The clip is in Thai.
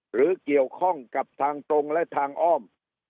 หรือเกี่ยวข้องกับทางตรงและทางอ้อม